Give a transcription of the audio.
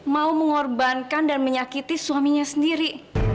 mau mengorbankan dan menyakiti suaminya sendiri